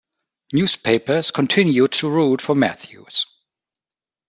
Newspapers continued to root for Matthews.